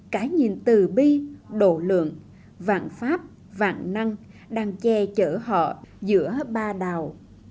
cái nhìn từ bi đồ lượng vạn pháp vạn năng đang che chở họ giữa ba đào